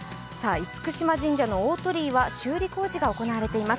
厳島神社の大鳥居は修理工事が行われています。